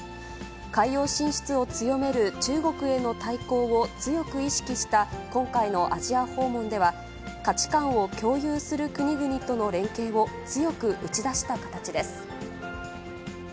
海洋進出を強める中国への対抗を強く意識した今回のアジア訪問では、価値観を共有する国々との連携を強く打ち出した形です。